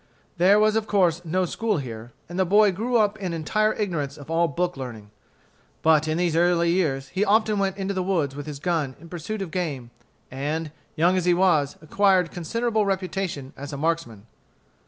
There was of course no school here, and the boy grew up in entire ignorance of all book learning. But in these early years he often went into the woods with his gun in pursuit of game, and, young as he was, acquired considerable reputation as a marksman.